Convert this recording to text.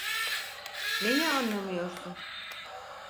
Neyi anlamıyorsun?